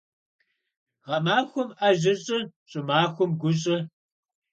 Гъэмахуэм Ӏэжьэ щӀы, щӀымахуэм гу щӀы.